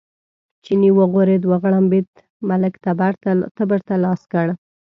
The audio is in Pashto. چیني وغورېد، وغړمبېد، ملک تبر ته لاس کړ.